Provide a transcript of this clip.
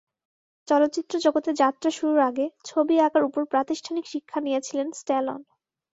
চলচ্চিত্র জগতে যাত্রা শুরুর আগে ছবি আঁকার ওপর প্রাতিষ্ঠানিক শিক্ষা নিয়েছিলেন স্ট্যালোন।